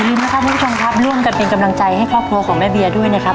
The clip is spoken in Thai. ลืมนะครับคุณผู้ชมครับร่วมกันเป็นกำลังใจให้ครอบครัวของแม่เบียด้วยนะครับ